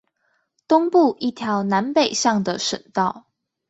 東部一條南北向的省道